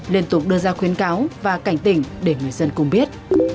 liên tục đưa ra khuyến cáo và cảnh tỉnh để người dân cùng biết